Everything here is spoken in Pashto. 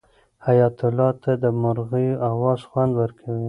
حیات الله ته د مرغیو اواز خوند ورکوي.